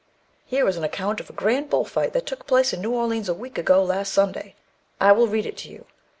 "Here is an account of a grand bull fight that took place in New Orleans a week ago last Sunday. I will read it to you."